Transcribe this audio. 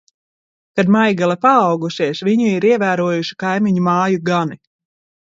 Kad Maigele paaugusies, viņu ir ievērojuši kaimiņu māju gani.